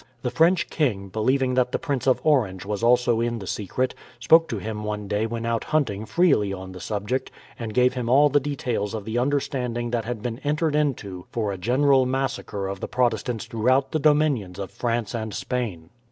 The French king, believing that the Prince of Orange was also in the secret, spoke to him one day when out hunting freely on the subject, and gave him all the details of the understanding that had been entered into for a general massacre of the Protestants throughout the dominions of France and Spain.